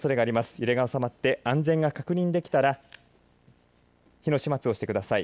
揺れが収まって安全が確認されたら火の始末をしてください。